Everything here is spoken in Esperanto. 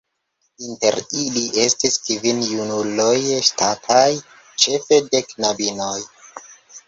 Inter ili estis kvin junuloj ŝatataj ĉefe de knabinoj.